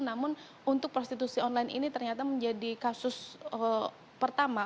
namun untuk prostitusi online ini ternyata menjadi kasus pertama